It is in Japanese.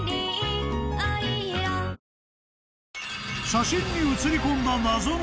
［写真に写り込んだ］